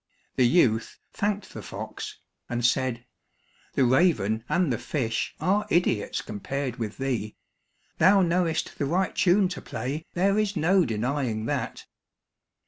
The youth thanked the fox, and said, "The raven and the fish are idiots compared with thee; thou knowest the right tune to play, there is no denying that!"